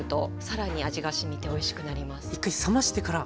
一回冷ましてから。